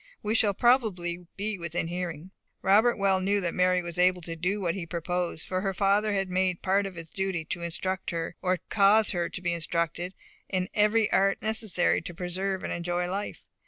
We shall probably be within hearing." Robert well knew that Mary was able to do what he proposed, for her father had made it a part of his duty to instruct her, or cause her to be instructed, in every art necessary to preserve and enjoy life.